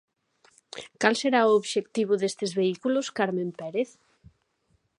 Cal será o obxectivo destes vehículos, Carmen Pérez?